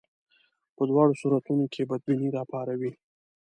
په دواړو صورتونو کې بدبیني راپاروي.